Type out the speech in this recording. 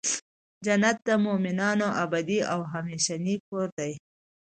جنت د مؤمنانو ابدې او همیشنی کور دی .